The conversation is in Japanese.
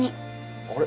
あれ？